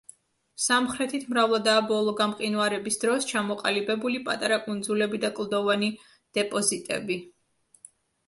სამხრეთით მრავლადაა ბოლო გამყინვარების დროს ჩამოყალიბებული პატარა კუნძულები და კლდოვანი დეპოზიტები.